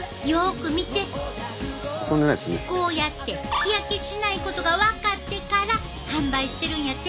こうやって日焼けしないことが分かってから販売してるんやて。